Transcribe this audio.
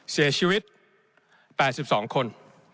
เสียชีวิต๘๒คน